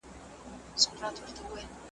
د څرمنو بد بویي ورته راتلله .